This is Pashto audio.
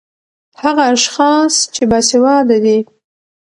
هغه اشحاص چې باسېواده دي